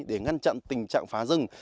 để ngăn chặn tình trạng phá rừng